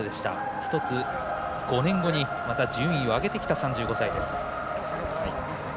１つ、５年後にまた順位を上げてきた３５歳です。